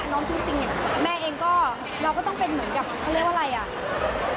น้องจริงแม่เองเราก็ต้องเป็นเหมือนกับเขาเรียกว่าอะไร